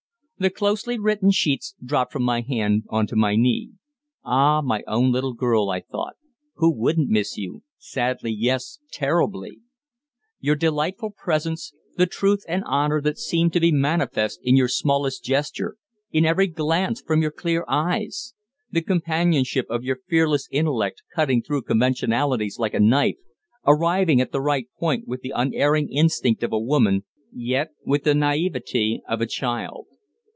The closely written sheets dropped from my hand on to my knee. "Ah, my own little girl," I thought, "who wouldn't miss you sadly, yes, terribly? Your delightful presence, the truth and honour that seem to be manifest in your smallest gesture, in every glance from your clear eyes; the companionship of your fearless intellect cutting through conventionalities like a knife, arriving at the right point with the unerring instinct of a woman, yet with the naiveté of a child."